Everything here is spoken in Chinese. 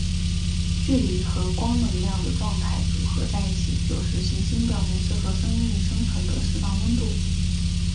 距离和光能量的状态组合在一起就是行星表面适合生命生存的适当温度。